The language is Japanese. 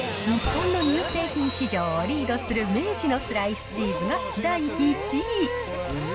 日本の乳製品市場をリードする明治のスライスチーズが第１位。